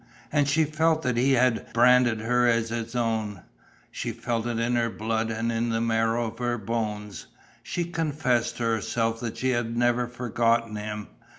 And she felt that he had branded her as his own, she felt it in her blood and in the marrow of her bones. She confessed to herself that she had never forgotten him.